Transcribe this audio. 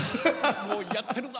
もうやってるぞ！